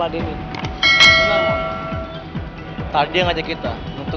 daripada gabung sama lo